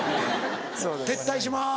撤退します。